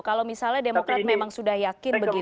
kalau misalnya demokrat memang sudah yakin begitu